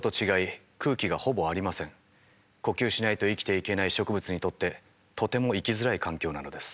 呼吸しないと生きていけない植物にとってとても生きづらい環境なのです。